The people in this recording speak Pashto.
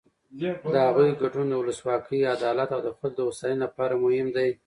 د هغوی ګډون د ولسواکۍ، عدالت او د خلکو د هوساینې لپاره مهم دی.